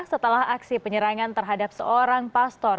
setelah aksi penyerangan terhadap seorang pastor